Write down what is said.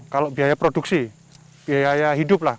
kalau biaya produksi biaya hidup lah